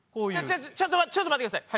ちょちょちょっと待ってください！